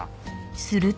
［すると］